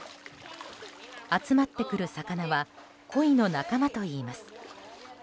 集まってくる魚はコイの仲間といいます。